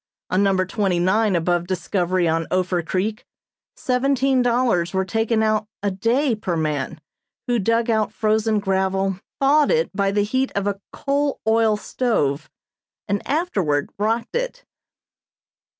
On number twenty nine above Discovery on Ophir Creek, seventeen dollars were taken out a day per man, who dug out frozen gravel, thawed it by the heat of a coal oil stove, and afterward rocked it.